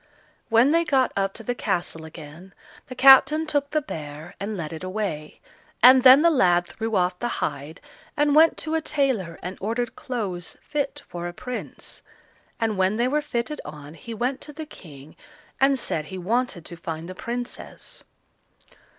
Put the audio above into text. When they got up to the castle again, the captain took the bear and led it away, and then the lad threw off the hide, and went to a tailor and ordered clothes fit for a prince; and when they were fitted on he went to the King, and said he wanted to find the Princess.